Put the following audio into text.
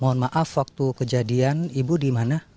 mohon maaf waktu kejadian ibu di mana